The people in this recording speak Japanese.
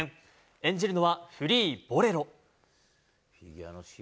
演じるのはフリー「ボレロ」。